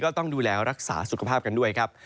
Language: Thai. ต้องดูแลรักษาสุขภาพกันด้วยครับ